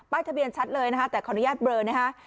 ทะเบียนชัดเลยนะคะแต่ขออนุญาตเบลอนะฮะ